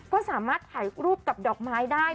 ก็สามารถถ่ายรูปกับดอกไม้ได้